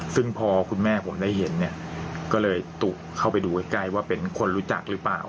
ซึ่งพอคุณแม่ผมได้เห็นเนี่ยก็เลยตุเข้าไปดูใกล้ว่าเป็นคนรู้จักหรือเปล่า